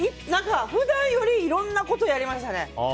普段よりいろんなことをやりましたね。